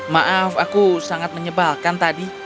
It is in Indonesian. maaf aku sangat menyebalkan tadi